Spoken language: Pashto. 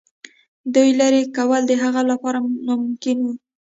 دوی لیري کول د هغه لپاره ناممکن وه.